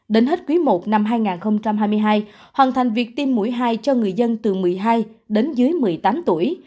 đến hết quý i năm hai nghìn hai mươi hai hoàn thành việc tiêm mũi hai cho người dân từ một mươi hai đến dưới một mươi tám tuổi